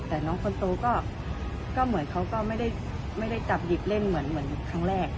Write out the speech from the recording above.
แต่น้องคนโตก็ก็เหมือนเขาก็ไม่ได้ไม่ได้จับหยิบเล่นเหมือนเหมือนครั้งแรก